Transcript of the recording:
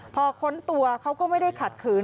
พอค้นตัวเขาก็ไม่ได้ขัดขืน